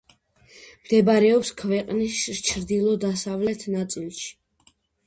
მდებარეობს ქვეყნის ჩრდილო-დასავლეთ ნაწილში.